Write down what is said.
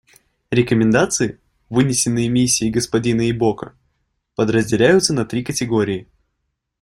Рекомендации, вынесенные Миссией господина Ибока, подразделяются на три категории.